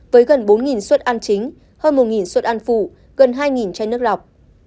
với gần bốn suất ăn chính hơn một suất ăn phụ gần hai chai nước lọc